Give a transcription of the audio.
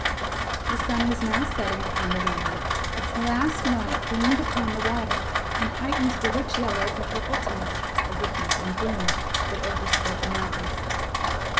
The sun was now setting upon the valley; its last light gleamed upon the water, and heightened the rich yellow and purple tints of the heath and broom, that overspread the mountains.